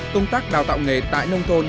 công tác đào tạo nghề tại nông thôn